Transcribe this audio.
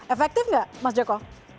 efektif tidak mas joko